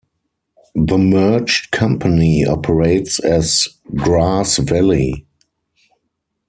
The merged company operates as Grass Valley.